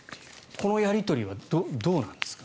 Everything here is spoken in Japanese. このやり取りはどうなんですか？